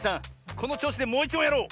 このちょうしでもういちもんやろう！